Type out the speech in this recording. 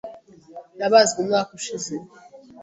Nabazwe umwaka ushize.